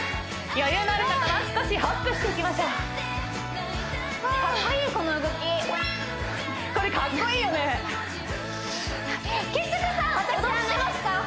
余裕のある方は少しホップしていきましょうかっこいいこの動きこれかっこいいよね菊地さん踊ってますか？